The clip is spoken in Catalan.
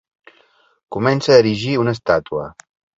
Comença a erigir una estàtua.